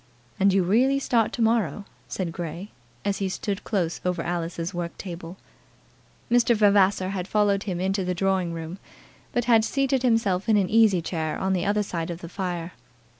"And you really start to morrow?" said Grey, as he stood close over Alice's work table. Mr. Vavasor had followed him into the drawing room, but had seated himself in an easy chair on the other side of the fire.